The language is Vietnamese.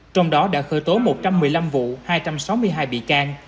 trong đó đã khởi tố một trăm một mươi năm vụ hai trăm sáu mươi hai bị can